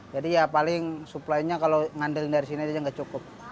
jadi ya paling suplainya kalau ngandelin dari sini aja tidak cukup